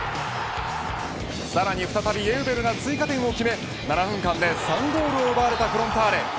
さらに再びエウベルが追加点を決め７分間で３ゴールを奪われたフロンターレ。